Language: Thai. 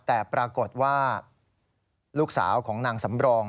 แต่ปรากฏว่าลูกสาวของนางสำรอง